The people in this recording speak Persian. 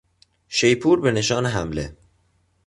شیپور به نشان حمله